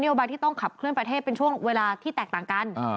โยบายที่ต้องขับเคลื่อนประเทศเป็นช่วงเวลาที่แตกต่างกัน